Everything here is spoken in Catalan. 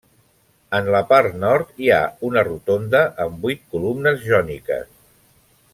En la part nord hi ha una rotonda amb vuit columnes jòniques.